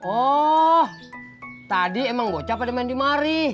oh tadi emang gue capain main di mari